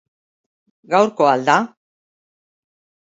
Gaurko al da?